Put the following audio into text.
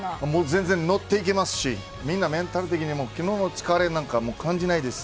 全然、乗ってきますしみんなメンタル的に昨日の疲れなんて感じないです。